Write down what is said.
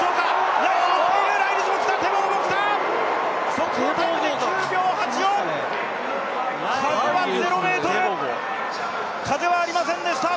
速報タイムで９秒８４風は０メートル、風はありませんでした。